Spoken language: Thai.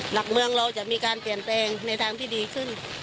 หลักเมืองเราจะมีการเปลี่ยนแปลงในทางที่ดีขึ้น